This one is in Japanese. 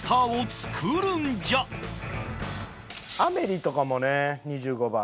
『アメリ』とかもね２５番。